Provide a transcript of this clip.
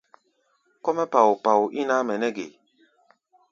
Kɔ́-mɛ́ pao-pao ín ǎmʼɛ nɛ́ ge?